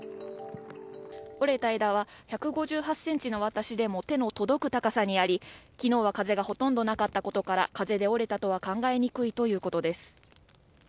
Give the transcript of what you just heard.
折れた枝は１５８ｃｍの私でも手の届く高さにあり、昨日は風がほとんどなかったことから風で折れたとは考えにくいということです。